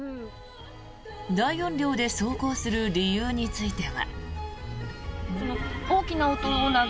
大音量で走行する理由については。